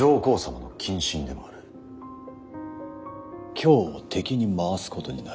京を敵に回すことになる。